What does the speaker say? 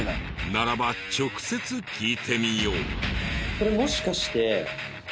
ならば直接聞いてみよう。